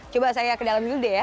coba saya ke dalam dulu deh ya